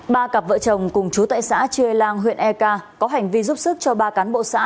ba cặp vợ chồng cùng chú tại xã chia lang huyện eka có hành vi giúp sức cho ba cán bộ xã